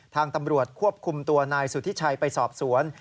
ทางตำรวจควบคุมตัวนายสุธิชัยไปสอบสวน